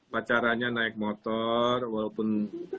pacaranya naik motor walaupun